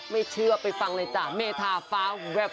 ไม่เชื่อไปฟังเลยจ้ะเมธาฟ้าแวบ